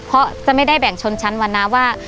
เพราะจะไม่ได้แบ่งชนชั้นวันนะว่า